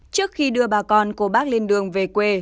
trước khi đưa bà con cô bác lên đường về quê